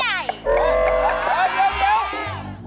เดี๋ยว